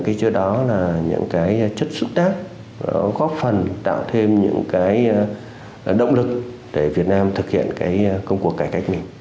cái chỗ đó là những cái chất xúc tác góp phần tạo thêm những cái động lực để việt nam thực hiện cái công cuộc cải cách mình